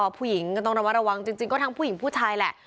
ผู้หญิงก็ต้องระวัดระวังจริงก็ทั้งผู้หญิงผู้ชายแหละ